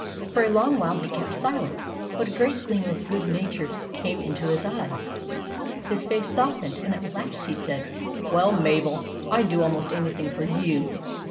For a long while he kept silent ; but a great gleam of good nature came into his eyes. His face softened, and at last he said — "WELL, MABEL, I 'D DO ALMOST ANYTHING FOR YOU.